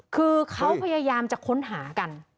คือเขาพยายามจะค้นหากัน